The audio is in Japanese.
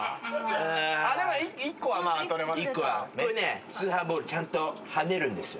これねスー歯ーボールちゃんと跳ねるんですよ。